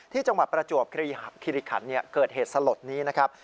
จังหวัดประจวบคิริขันฯเกิดเหตุสลดนี้นะครับ